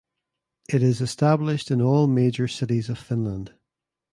It is established in all major cities of Finland.